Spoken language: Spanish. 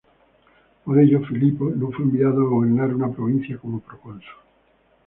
Por ello, Filipo no fue enviado a gobernar una provincia como procónsul.